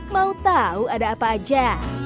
mau tahu ada apa aja